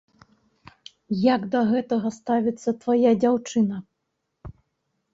Як да гэтага ставіцца твая дзяўчына?